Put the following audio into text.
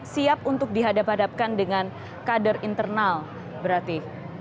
siap untuk dihadap hadapkan dengan kader internal berarti